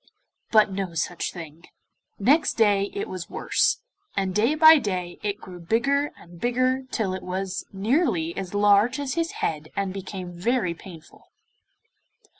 But no such thing. Next day it was worse, and day by day it grew bigger and bigger till it was nearly as large as his head and became very painful.